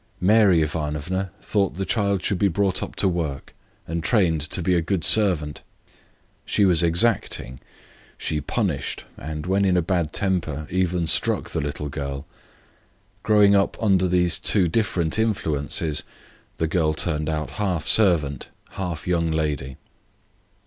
Maria Ivanovna thought the child should be brought up to work, and trained her to be a good servant. She was exacting; she punished, and, when in a bad temper, even struck the little girl. Growing up under these two different influences, the girl turned out half servant, half young lady.